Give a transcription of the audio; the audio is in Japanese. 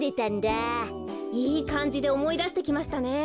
いいかんじでおもいだしてきましたね。